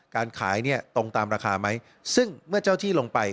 การขายเนี่ยตรงตามราคาไหมซึ่งเมื่อเจ้าที่ลงไป